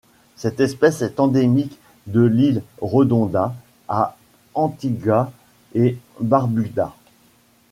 Cette espèce est endémique de l'île Redonda à Antigua-et-Barbuda.